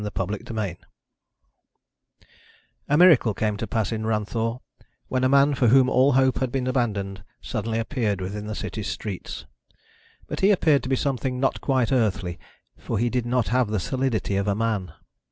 CHAPTER SIXTEEN A miracle came to pass in Ranthoor when a man for whom all hope had been abandoned suddenly appeared within the city's streets. But he appeared to be something not quite earthly, for he did not have the solidity of a man.